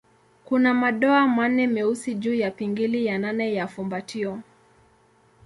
Kuna madoa manne meusi juu ya pingili ya nane ya fumbatio.